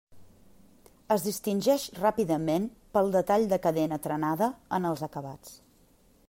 Es distingeix ràpidament pel detall de cadena trenada en els acabats.